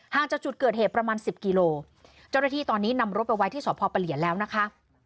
จากจุดเกิดเหตุประมาณสิบกิโลเจ้าหน้าที่ตอนนี้นำรถไปไว้ที่สพปะเหลียนแล้วนะคะ